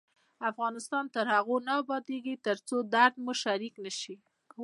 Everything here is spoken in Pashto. افغانستان تر هغو نه ابادیږي، ترڅو درد مو شریک نشي.